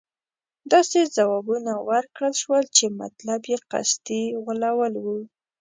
داسې ځوابونه ورکړل شول چې مطلب یې قصدي غولول وو.